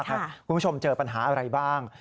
คุณผู้ชมเจอปัญหาอะไรบ้าง